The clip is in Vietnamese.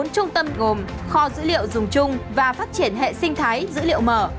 bốn trung tâm gồm kho dữ liệu dùng chung và phát triển hệ sinh thái dữ liệu mở